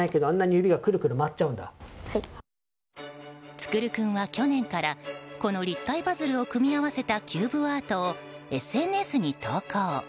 創君は去年からこの立体パズルを組み合わせたキューブアートをＳＮＳに投稿。